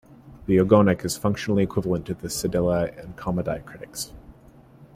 The ogonek is functionally equivalent to the cedilla and comma diacritics.